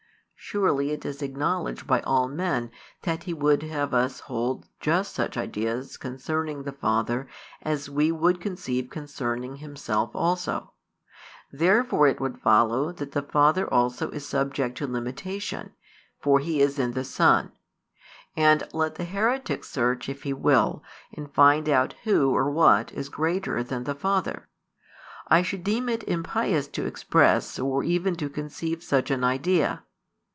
Surely it is acknowledged by all men that He would have us hold just such ideas concerning the Father as we would conceive concerning Himself also. Therefore it would follow that the Father also is subject to limitation, for He is in the Son: and let the heretic search if he will and find out who or what is greater than the Father; I should deem it impious to express or even to conceive such an idea.